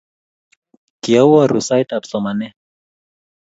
kioworu sait ab somanee